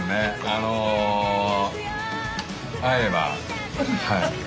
あの合えば。